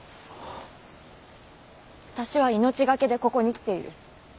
私は命懸けでここに来ている。